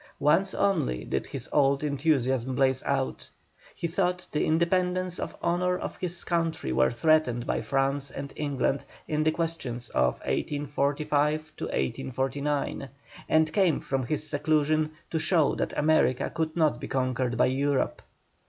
Once only did his old enthusiasm blaze out. He thought the independence and honour of his country were threatened by France and England in the questions of 1845 1849, and came from his seclusion to show that America could not be conquered by Europe.